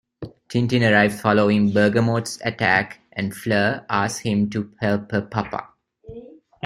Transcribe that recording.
Tintin arrives following Bergamotte's attack, and Fleur asks him to help her 'papa'.